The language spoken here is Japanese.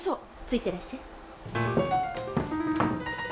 ついてらっしゃい。